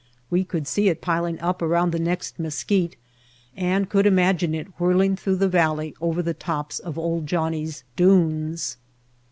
We could see it piling up around the next mes quite, and could imagine it whirling through the valley over the tops of "Old Johnnie's" dunes.